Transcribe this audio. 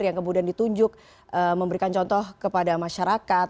yang kemudian ditunjuk memberikan contoh kepada masyarakat